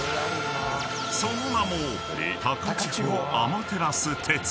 ［その名も］